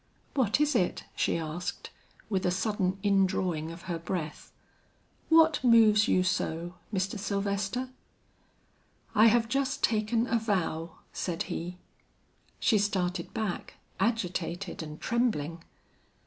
"What is it?" she asked, with a sudden indrawing of her breath. "What moves you so, Mr. Sylvester?" "I have just taken a vow," said he. She started back agitated and trembling.